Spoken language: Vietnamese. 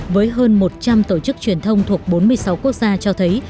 với hơn một trăm linh tổ chức truyền thông thuộc bốn mươi sáu quốc gia cho thấy